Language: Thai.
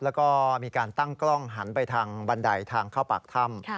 แล้วก็มีการตั้งกล้องหันไปทางบันไดทางเข้าปากถ้ำ